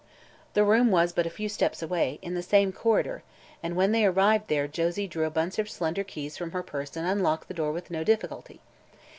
The room was but a few steps away, in the same corridor, and when they arrived there Josie drew a bunch of slender keys from her purse and unlocked the door with no difficulty.